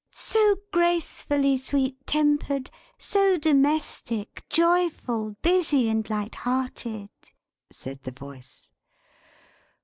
"So gracefully sweet tempered; so domestic, joyful, busy, and light hearted!" said the Voice.